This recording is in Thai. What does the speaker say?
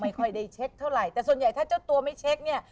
ค่อยได้เช็คเท่าไหร่แต่ส่วนใหญ่ถ้าเจ้าตัวไม่เช็คเนี่ย